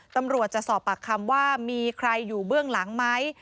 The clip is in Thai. ตำรวจจะสอบปากคำว่ามีใครอยู่เบื้องหลังไหม